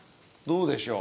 どうでしょう？